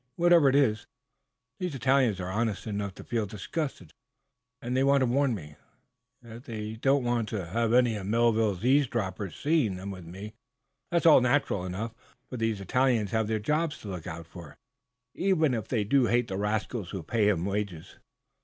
Whatever it is, these Italians are honest enough to feel disgusted, and they want to warn me. Yet they don't want to have any Melville eavesdropper seeing them with me. That's all natural enough, for these Italians have their jobs to look out for, even if they do hate the rascals who pay 'em wages."